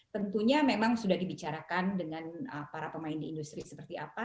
tentunya memang sudah dibicarakan dengan para pemain di industri seperti apa